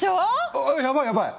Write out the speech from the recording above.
あっやばいやばい。